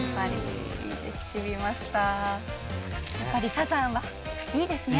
やっぱりサザンはいいですね。